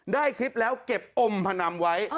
ได้คลิปแล้วเก็บอมพนันไว้